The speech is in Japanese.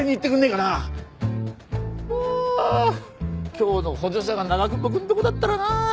今日の補助者が長窪くんのとこだったらなあ！